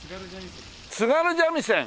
津軽三味線です。